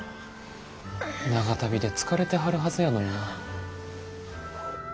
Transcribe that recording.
長旅で疲れてはるはずやのにな。